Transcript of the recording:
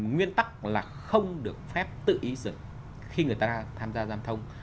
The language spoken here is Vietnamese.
nguyên tắc là không được phép tự ý dừng khi người ta tham gia giam thông